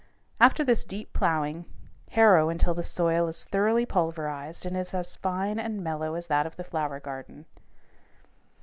After this deep plowing, harrow until the soil is thoroughly pulverized and is as fine and mellow as that of the flower garden.